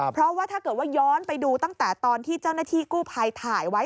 เพราะว่าถ้าเกิดว่าย้อนไปดูตั้งแต่ตอนที่เจ้าหน้าที่กู้ภัยถ่ายไว้